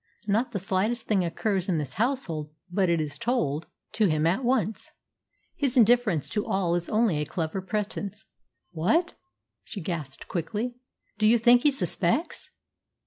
Not the slightest thing occurs in this household but it is told to him at once. His indifference to all is only a clever pretence." "What!" she gasped quickly; "do you think he suspects?"